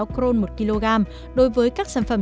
crôn một kg đối với các sản phẩm